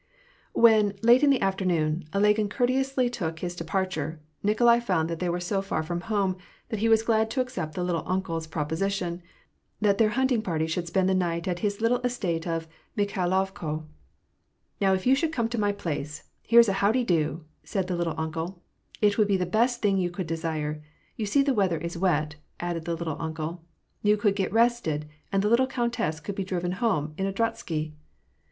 When, late in the afternoon, Ilagin courteously took his departure, Nikolai found that they were so far from home, that he was glad to accept the '^little uncle's " proposition, that their hunting party should spend the night vX his little estate of Mikhailovko. "Now if you should come to my place — here's a how de do!" — said the "little uncle," "it would be the best thing you could desire : you see the weather is wet," added the "little uncle." "You could get rested; and the little countess can be driven home, in a drozhsky."